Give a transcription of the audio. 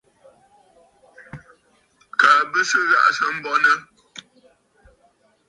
Kaa bì ghàʼà sɨ̀ bɔŋə̀.